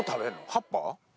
葉っぱ？